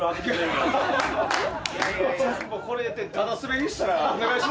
これでダダスベりしたらお願いします。